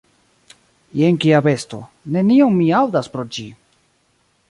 Jen kia besto: nenion mi aŭdas pro ĝi!